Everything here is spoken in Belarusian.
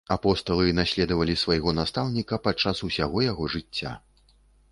Апосталы наследавалі свайго настаўніка падчас усяго яго жыцця.